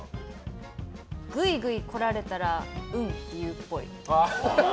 グイグイ来られたらうんって言うっぽい。